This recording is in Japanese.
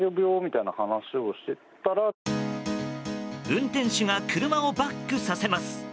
運転手が車をバックさせます。